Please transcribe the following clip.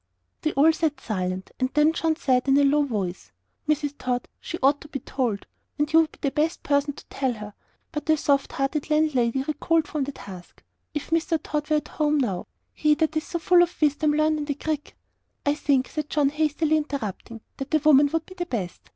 We all sat silent; and then John said, in a low voice "Mrs. Tod, she ought to be told and you would be the best person to tell her." But the soft hearted landlady recoiled from the task. "If Tod were at home now he that is so full o' wisdom learnt in 'the kirk' " "I think," said John, hastily interrupting, "that a woman would be the best.